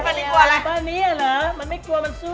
ป้าต้อยกับป้านี้เหรอมันไม่กลัวมันซุ้ม